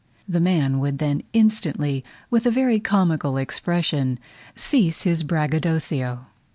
The man would then instantly, with a very comical expression, cease his braggadocio.